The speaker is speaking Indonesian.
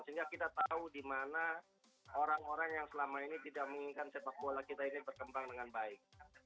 sehingga kita tahu di mana orang orang yang selama ini tidak menginginkan sepak bola kita ini berkembang dengan baik